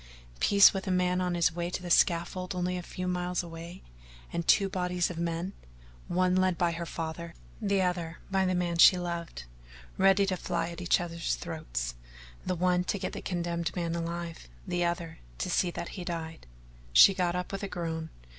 Peace with a man on his way to a scaffold only a few miles away, and two bodies of men, one led by her father, the other by the man she loved, ready to fly at each other's throats the one to get the condemned man alive, the other to see that he died. She got up with a groan.